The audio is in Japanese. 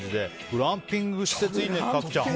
グランピング施設いいね角ちゃん。